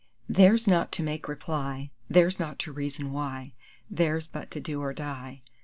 "Theirs not to make reply, Theirs not to reason why, Theirs but to do or die."